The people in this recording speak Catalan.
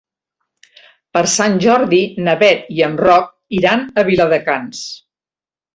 Per Sant Jordi na Bet i en Roc iran a Viladecans.